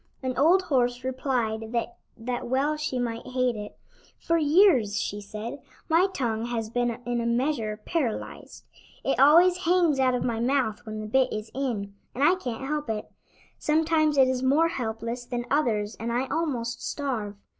An old horse replied that well she might hate it. "For years," she said, "my tongue has been in a measure paralyzed. It always hangs out of my mouth when the bit is in, and I can't help it. Sometimes it is more helpless than others and I almost starve.